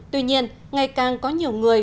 tuy nhiên ngày càng có nhiều người